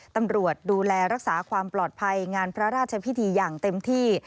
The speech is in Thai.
ตำรวจดูแลรักษาความปลอดภัยงานพระราชพิธีอย่างเต็มที่